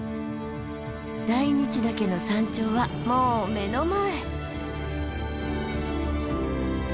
大日岳の山頂はもう目の前。